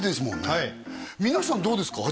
はい皆さんどうですか？